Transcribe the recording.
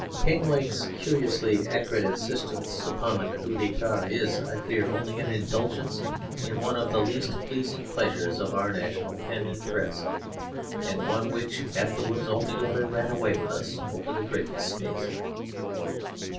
Kinglake's curiously acrid insistence upon the Coup d'état is, I fear, only an indulgence in one of the least pleasing pleasures of our national pen and press, and one which afterwards altogether ran away with us over the Dreyfus case.